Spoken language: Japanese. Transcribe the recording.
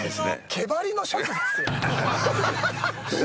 毛鉤のシャツですよ。